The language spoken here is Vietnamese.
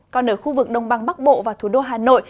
còn ở khu vực đông băng bắc bộ và thủ đô hà nội